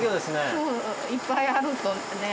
そういっぱいあるとね。